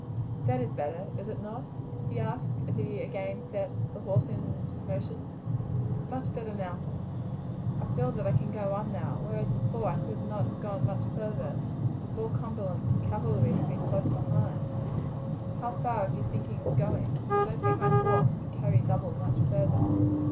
"That is better, is it not?" he asked as he again set the horse in motion. "Much better, Malcolm. I feel that I can go on now, whereas before I could not have gone much further if all Cumberland's cavalry had been close behind. How far are you thinking of going? I don't think my horse can carry double much further.